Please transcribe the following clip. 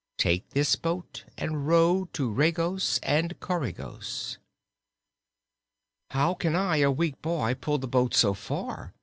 Take this boat and row to Regos and Coregos." "How can I, a weak boy, pull the boat so far?"